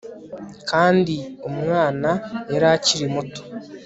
kandi umwana yari akiri muto